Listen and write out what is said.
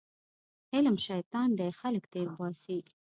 علم شیطان دی خلک تېرباسي